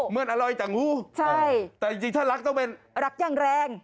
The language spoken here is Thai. เหมือนอร่อยแต่งูแต่จริงถ้ารักต้องเป็นรักอย่างแรง